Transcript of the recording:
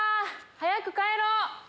早く帰ろう。